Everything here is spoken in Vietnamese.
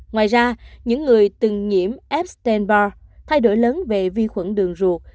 ngoài ra những người từng nhiễm f stain bar thay đổi lớn về vi khuẩn đường ruột